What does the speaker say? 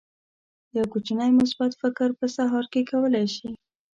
یو کوچنی مثبت فکر په سهار کې کولی شي.